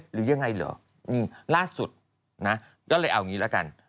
หรือยังไงหรอ